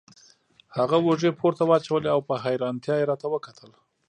هغه اوږې پورته واچولې او په حیرانتیا یې راته وکتل.